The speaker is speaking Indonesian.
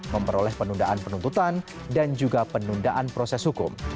memperoleh penundaan penuntutan dan juga penundaan proses hukum